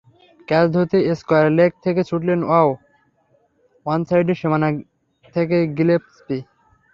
Catch ধরতে square leg থেকে ছুটলেন ওয়াহ, অনসাইডের সীমানা থেকে গিলেস্পি।